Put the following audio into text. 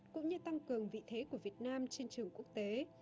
cũng như tăng cường vị thế của việt nam trên trường quốc tế